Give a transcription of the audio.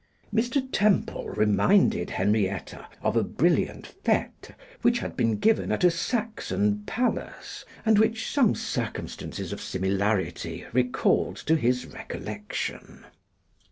Mr. Temple reminded Henrietta of a brilliant fête which had been given at a Saxon palace, and which some circumstances of similarity recalled to his recollection.